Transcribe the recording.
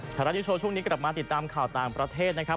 รัฐนิวโชว์ช่วงนี้กลับมาติดตามข่าวต่างประเทศนะครับ